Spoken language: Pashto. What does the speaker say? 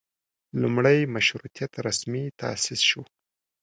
لومړۍ مشروطیت رسمي تاسیس شو.